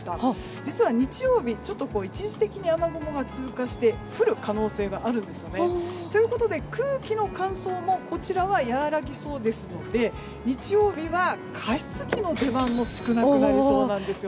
実は、日曜日一時的に雨雲が通過して降る可能性もあるんですね。ということで空気の乾燥も和らぎそうですので日曜日は加湿器の出番も少なくなりそうなんです。